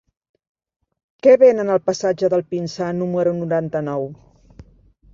Què venen al passatge del Pinsà número noranta-nou?